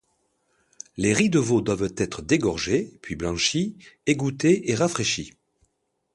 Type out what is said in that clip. Les ris de veau doivent être dégorgés, puis blanchis, égouttés et rafraîchis.